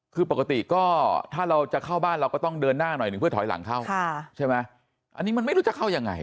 คือปกติก็ถ้าเราจะเข้าบ้านเราก็ต้องเดินหน้าหน่อยหนึ่งเพื่อถอยหลังเข้าใช่ไหมอันนี้มันไม่รู้จะเข้ายังไง